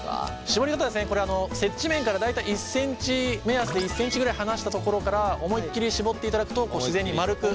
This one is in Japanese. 絞り方はこれ接地面から大体１ｃｍ目安で１ｃｍぐらい離したところから思いっきり絞っていただくと自然に丸く。